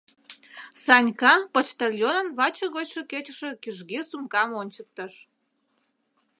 Санька почтальонын ваче гочшо кечыше кӱжгӱ сумкам ончыктыш.